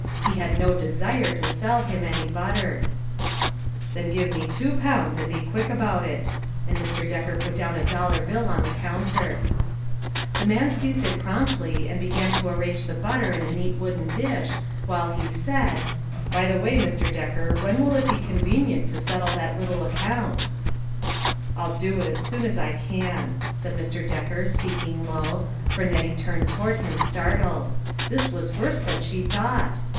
He had no desire to sell him any butter. "Then give me two pounds, and be quick about it." And Mr. Decker put down a dollar bill on the counter. 130 LITTLE FISHERS : AND THEIB NETS. The man seized it promptly and began to ar range the butter in a neat wooden dish, while he said, " By the way, Mr. Decker, when will it be convenient to settle that little account ?"" I'll do it as soon as I can," said Mr. Decker, speaking low, for Nettie turned toward him startled ; this was worse than she thought.